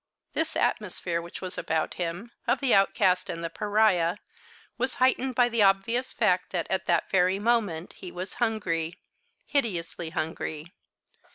This atmosphere which was about him, of the outcast and the pariah, was heightened by the obvious fact that, at that very moment, he was hungry, hideously hungry.